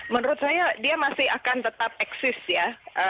menurut saya dia masih akan tetap eksis ya